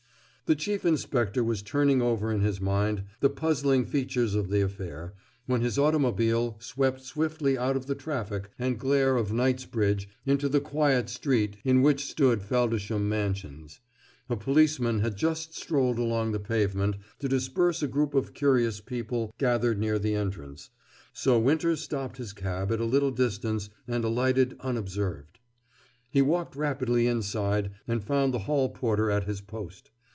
The Chief Inspector was turning over in his mind the puzzling features of the affair when his automobile swept swiftly out of the traffic and glare of Knightsbridge into the quiet street in which stood Feldisham Mansions. A policeman had just strolled along the pavement to disperse a group of curious people gathered near the entrance, so Winter stopped his cab at a little distance and alighted unobserved. He walked rapidly inside and found the hall porter at his post.